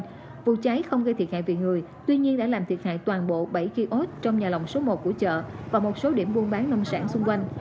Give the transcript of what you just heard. tuy nhiên vụ cháy không gây thiệt hại vì người tuy nhiên đã làm thiệt hại toàn bộ bảy kiosk trong nhà lồng số một của chợ và một số điểm buôn bán nông sản xung quanh